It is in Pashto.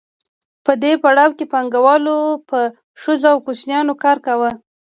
په دې پړاو کې پانګوالو په ښځو او کوچنیانو کار کاوه